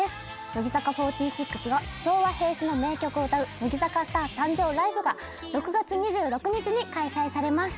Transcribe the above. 乃木坂４６が昭和平成の名曲を歌う『乃木坂スター誕生！ＬＩＶＥ』が６月２６日に開催されます。